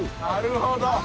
なるほど。